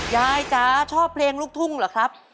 จ๋าชอบเพลงลูกทุ่งเหรอครับ